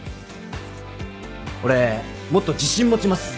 俺もっと自信持ちます。